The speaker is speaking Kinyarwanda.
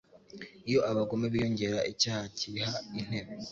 Iyo abagome biyongera icyaha cyiha intebe